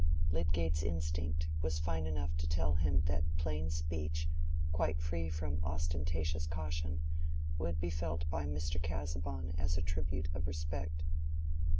Lydgate's instinct was fine enough to tell him that plain speech, quite free from ostentatious caution, would be felt by Mr. Casaubon as a tribute of respect.